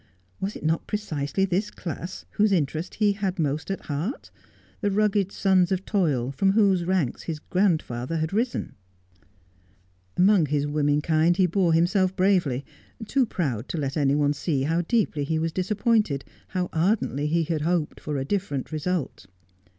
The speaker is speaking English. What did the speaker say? "Was it not precisely this class whose interest he had most at heart, the rugged sons of toil, from whose ranks his grandfather had risen ? Among his women kind he bore himself bravely, too proud to let any one see how deeply he was disappointed, how ardently he had hoped for a different result.